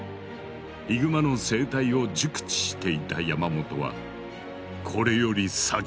ヒグマの生態を熟知していた山本はこれより先回り。